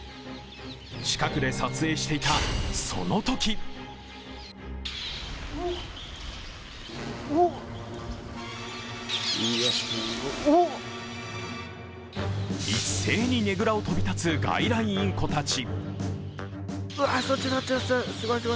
近くで撮影していたそのとき一斉にねぐらを飛び立つ外来インコたち。